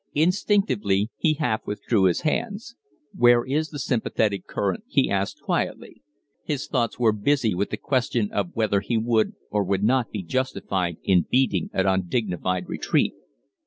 Instinctively he half withdrew his hands. "Where is the sympathetic current?" he asked, quietly. His thoughts were busy with the question of whether he would or would not be justified in beating an undignified retreat.